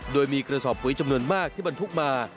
โดยมีกระสอบปุ๋ยจำนวนมากที่บรรทุกมา